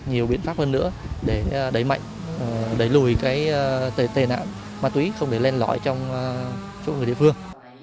nhiều biện pháp hơn nữa để đẩy mạnh đẩy lùi cái tệ nạn ma túy không để lên lõi trong số người địa phương